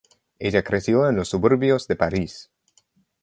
Ella creció en los suburbios de París.